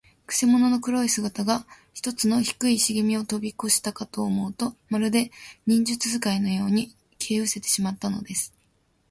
くせ者の黒い姿が、ひとつの低いしげみをとびこしたかと思うと、まるで、忍術使いのように、消えうせてしまったのです。